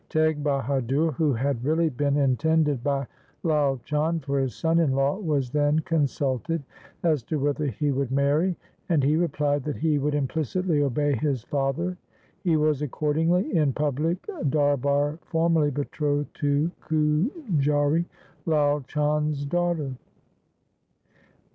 Teg Bahadur, who had really been intended by Lai Chand for his son in law, was then consulted as to whether he would marry, and he replied that he would implicitly obey his father. He was accordingly in public darbar formally betrothed to Gujari, Lai Chand's daughter.